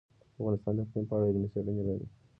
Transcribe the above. افغانستان د اقلیم په اړه علمي څېړنې لري.